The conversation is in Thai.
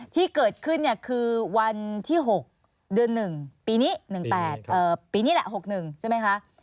ที่เกิดขึ้นคือวันที่๖เดือน๑ปีนี้๑๘ปีนี้แหละ๖๑ใช่ไหมคะ